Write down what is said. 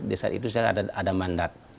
di saat itu saya ada mandat